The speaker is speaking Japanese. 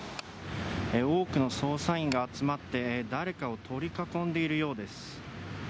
多くの捜査員が集まって、誰かを取り囲んでいるようです。